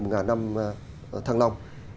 một ngàn năm thăng long